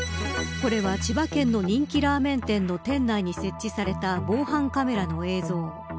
これは千葉県の人気ラーメン店の店内に設置された防犯カメラの映像。